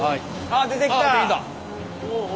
ああ出てきた。